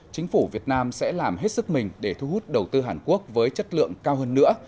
chính phủ việt nam sẽ làm hết sức mình để thu hút đầu tư hàn quốc với chất lượng cao hơn nữa